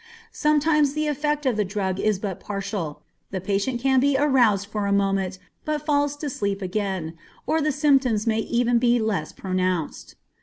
Sometimes the effect of the drug is but partial, the patient can be aroused for a moment, but falls to sleep again, or the symptoms may be even less pronounced.